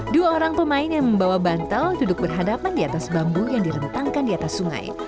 dua orang pemain yang membawa bantal duduk berhadapan di atas bambu yang direntangkan di atas sungai